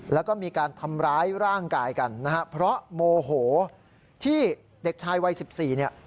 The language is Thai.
แล้วก็มีการทำร้ายร่างกายกันนะฮะเพราะโมโหที่เด็กชายวัย๑๔เนี่ย